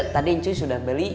tadi cuy sudah beli